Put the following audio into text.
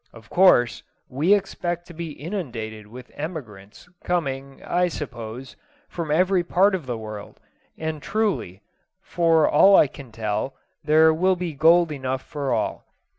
Of course we expect to be inundated with emigrants, coming, I suppose, from every part of the world, and truly, for all I can tell, there will be gold enough for all.